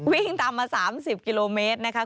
วิ่งตามมา๓๐กิโลเมตรนะคะ